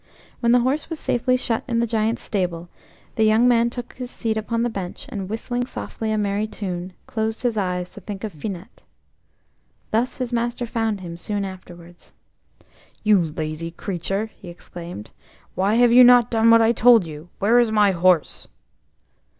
When the horse was safely shut in the Giant's stable, the young man took his seat upon the bench, and whistling softly a merry tune, closed his eyes to think of Finette. Thus his master found him soon afterwards. "You lazy creature," he exclaimed, "why have you not done what I told you? Where is my horse?"